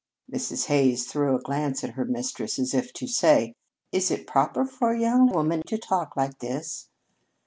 Mrs. Hays threw a glance at her mistress as if to say: "Is it proper for a young woman to talk like this?"